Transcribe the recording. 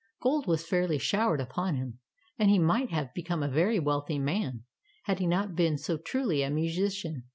Gold was fairly showered upon him, and he might have become a very wealthy man, had he not been so truly a musician.